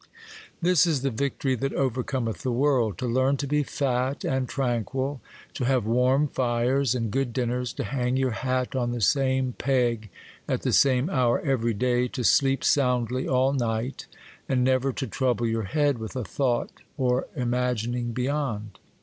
'This is the victory that overcometh the world,'—to learn to be fat and tranquil, to have warm fires and good dinners, to hang your hat on the same peg at the same hour every day, to sleep soundly all night, and never to trouble your head with a thought or imagining beyond.